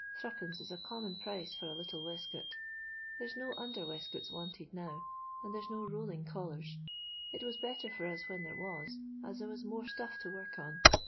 Three pence is a common price for a little wesket There's no nnder wesketi wanted now, and there 's no rolling colkrs. It was better for us when there was, as there was more stuff to work on.